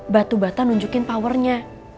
batu bata nunjukin powernya